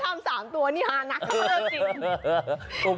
แต่ถ้าทำสามตัวนี่ฮะนักธรรมจริง